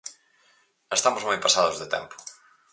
Estamos moi pasados de tempo.